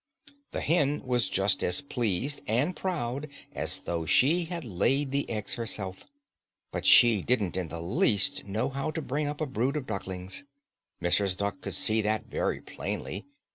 The hen was just as pleased and proud as though she had laid the eggs herself. But she didn't in the least know how to bring up a brood of ducklings. Mrs. Duck could see that very plainly.